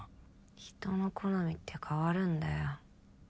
人の好みって変わるんだよ。